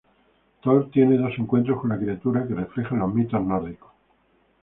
Thor tiene dos encuentros con la criatura que reflejan los mitos nórdicos.